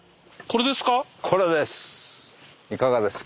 これです。